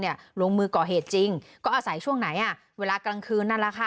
ลงมือก่อเหตุจริงก็อาศัยช่วงไหนอ่ะเวลากลางคืนนั่นแหละค่ะ